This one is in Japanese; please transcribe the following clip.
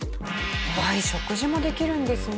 食事もできるんですね。